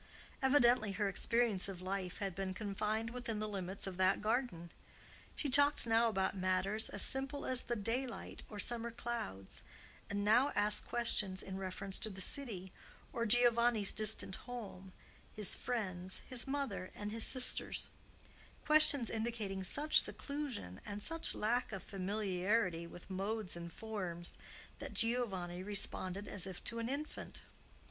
Evidently her experience of life had been confined within the limits of that garden. She talked now about matters as simple as the daylight or summer clouds, and now asked questions in reference to the city, or Giovanni's distant home, his friends, his mother, and his sisters—questions indicating such seclusion, and such lack of familiarity with modes and forms, that Giovanni responded as if to an infant.